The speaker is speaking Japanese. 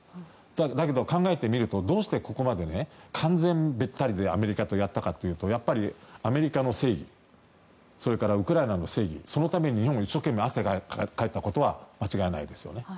だけど考えてみるとどうしてここまで完全べったりでアメリカとやったかというとアメリカの正義それからウクライナの正義そのために日本が汗をかいたのは間違いないですよね。